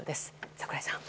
櫻井さん。